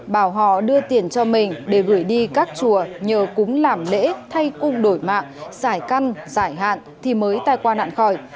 bảo họ đưa tiền cho mình để gửi đi các chùa nhờ cúng làm lễ thay cung đổi mạng giải căn giải hạn thì mới tài quan hạn khỏi